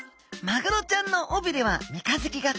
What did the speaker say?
マグロちゃんの尾びれは三日月形。